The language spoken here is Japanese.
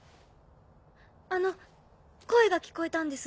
あの声が聞こえたんです